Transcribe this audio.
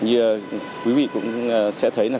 như quý vị cũng sẽ thấy là